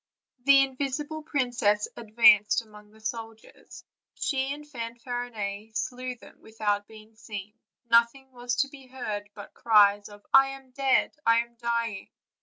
The invisible princess advanced among the soldiers; she and Fanfarinet slew them without being seen; noth ing was to be heard but cries of "I am dead, I am dying.